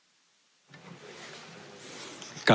สวัสดีครับสวัสดีครับ